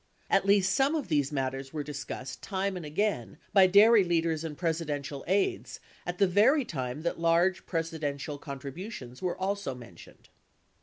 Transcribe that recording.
At least some of these matters were discussed time and again by dairy leaders and Presidential aides at the very same time that large Presidential con tributions were also mentioned.